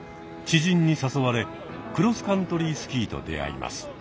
知人に誘われクロスカントリースキーと出会います。